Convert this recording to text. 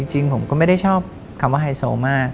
จริงผมก็ไม่ได้ชอบคำว่าไฮโซมาก